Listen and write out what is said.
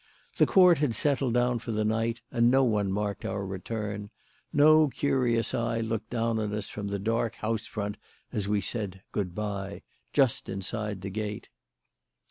The court had settled down for the night, and no one marked our return; no curious eye looked down on us from the dark house front as we said "Good bye" just inside the gate.